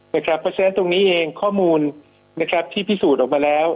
เพราะฉะนั้นตรงนี้เองข้อมูลที่พิสูจน์ออกมาแล้ว